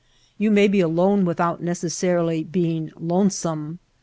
You may be alone without necessarily being lone some.